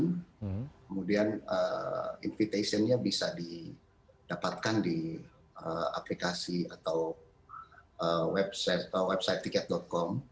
kemudian invitation nya bisa didapatkan di aplikasi atau website tiket com